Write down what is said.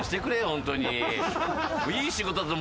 ホントに。